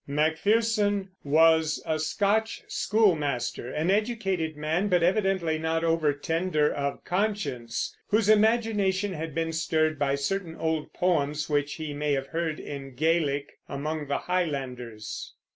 Macpherson was a Scotch schoolmaster, an educated man, but evidently not over tender of conscience, whose imagination had been stirred by certain old poems which he may have heard in Gaelic among the Highlanders.